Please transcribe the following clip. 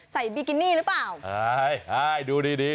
ใส่บิกินี่หรือเปล่า